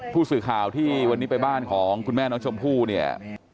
ผู้สื่อข่าวที่วันนี้ไปบ้านของคุณแม่น้องชมพู่เนี่ย